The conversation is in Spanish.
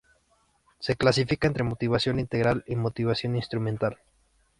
Se clasifica entre motivación integral y motivación instrumental.